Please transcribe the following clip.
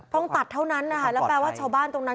ต้องตัดเท่านั้นนะคะแล้วแปลว่าชาวบ้านตรงนั้น